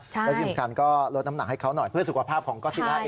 และที่สำคัญก็ลดน้ำหนักให้เขาหน่อยเพื่อสุขภาพของก๊ศิลาเอง